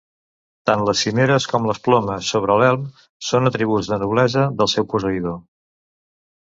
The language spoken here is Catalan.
Tant les cimeres com les plomes sobre l'elm són atributs de noblesa del seu posseïdor.